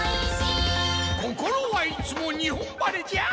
心はいつも日本晴れじゃ。